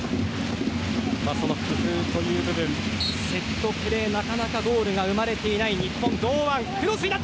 工夫という部分セットプレー、なかなかゴールが生まれていない日本。